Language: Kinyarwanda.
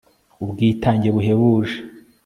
ubwitange buhebuje